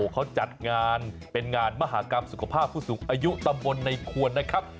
เขาจัดงานเป็นงานมหากรรมสุขภาพผู้สูงอายุตำบลในควรนะครับ